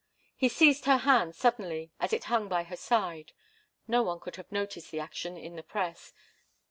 He seized her hand suddenly, as it hung by her side. No one could have noticed the action in the press.